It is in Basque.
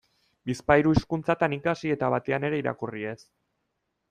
Bizpahiru hizkuntzatan ikasi eta batean ere irakurri ez.